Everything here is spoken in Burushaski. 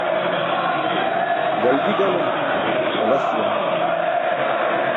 Galgi galum balas juwan.